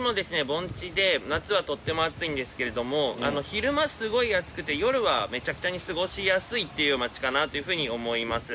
盆地で夏はとっても暑いんですけれども昼間すごい暑くて夜はめちゃくちゃに過ごしやすいっていう街かなというふうに思います。